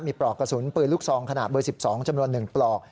มีปลอกกระสุนปืนลูกซองขนาดเบอร์๑๒จำนวน๑ปลอก